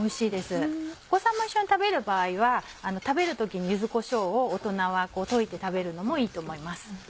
お子さんも一緒に食べる場合は食べる時に柚子こしょうを大人は溶いて食べるのもいいと思います。